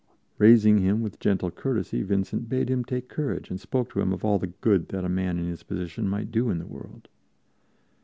Raising him with gentle courtesy, Vincent bade him take courage, and spoke to him of all the good that a man of his position might do in the world.